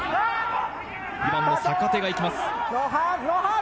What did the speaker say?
２番の坂手がいきます。